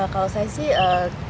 kalau saya sih tidak